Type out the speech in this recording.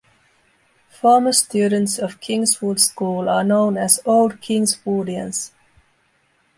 Former students of Kingswood School are known as old Kingswoodians.